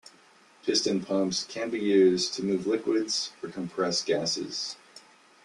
Piston pumps can be used to move liquids or compress gases.